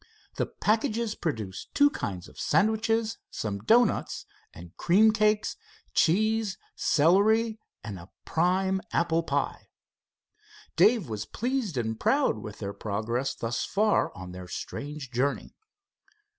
The packages produced two kinds of sandwiches, some doughnuts, a cream cakes, cheese, celery and a prime apple pie. Dave was pleased and proud with their progress thus far on their strange journey.